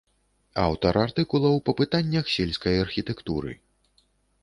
Аўтар артыкулаў па пытаннях сельскай архітэктуры.